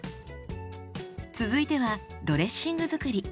続いてはドレッシング作り。